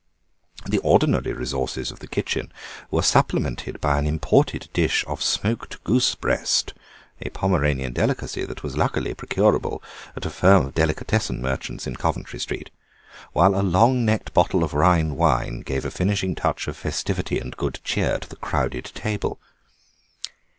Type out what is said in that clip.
The ordinary resources of the kitchen were supplemented by an imported dish of smoked goosebreast, a Pomeranian delicacy that was luckily procurable at a firm of delikatessen merchants in Coventry Street, while a long necked bottle of Rhine wine gave a finishing touch of festivity and good cheer to the crowded table.